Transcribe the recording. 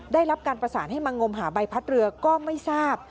ได้รับการประสานให้มางมหาใบพัดเรือก็ไม่ทราบ